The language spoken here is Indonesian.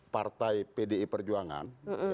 partai pdi perjuangan